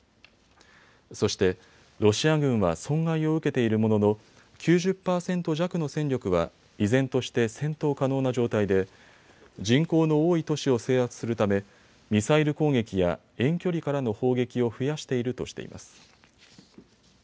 そしてロシア軍は損害を受けているものの９０％弱の戦力は依然として戦闘可能な状態で人口の多い都市を制圧するためミサイル攻撃や遠距離からの砲撃を増やしているとしています。